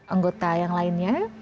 anggota yang lainnya